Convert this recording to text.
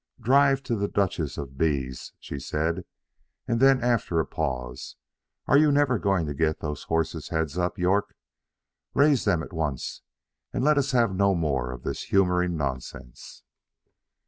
"Drive to the Duchess of B 's," she said, and then after a pause, "Are you never going to get those horses' heads up, York? Raise them at once, and let us have no more of this humoring nonsense."